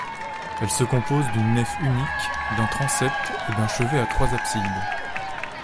Elle se compose d'une nef unique, d'un transept et d'un chevet à trois absides.